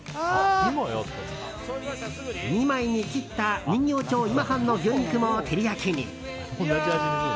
２枚に切った人形町今半の牛肉も照り焼きに。